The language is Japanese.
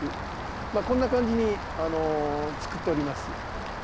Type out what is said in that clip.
まあこんな感じにつくっております。